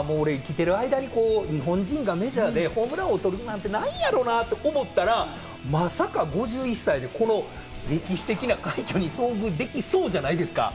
あ、もう俺、生きてる間に日本人がメジャーでホームラン王を取るなんてないんやろなと思ったら、まさか５１歳でこの歴史的な快挙に遭遇できそうじゃないですか。